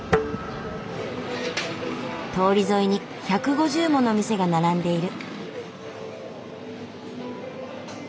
通り沿いに１５０もの店が並んでいる。